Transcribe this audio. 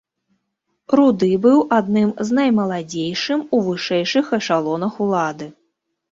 Руды быў адным з наймаладзейшым у вышэйшых эшалонах улады.